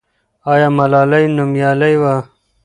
آیا ملالۍ نومیالۍ وه؟